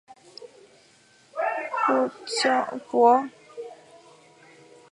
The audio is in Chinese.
邵伯温。